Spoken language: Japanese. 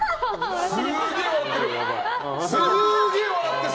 すげえ笑ってる！